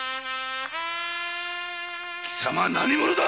貴様何者だ！